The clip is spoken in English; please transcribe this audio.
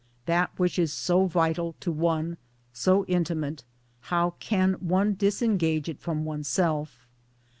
That which is so vital to one, so intimate, how can one disengage it from oneself?